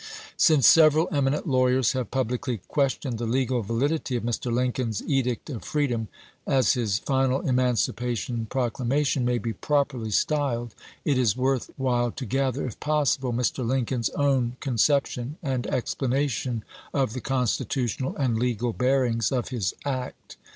Since several eminent lawyers have publicly questioned the legal validity of Mr. Lincoln's Edict of Freedom, — as his final Emancipation Proclamation may be properly styled, — it is worth while to gather, if possible, Mr. Lincoln's own con ception and explanation of the constitutional and legal bearings of his act.